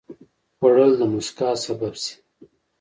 خوړل د مسکا سبب شي